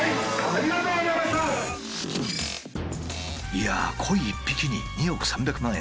いやあコイ１匹に２億３００万円とは。